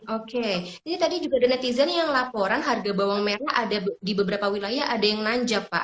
oke ini tadi juga ada netizen yang laporan harga bawang merah ada di beberapa wilayah ada yang nanjab pak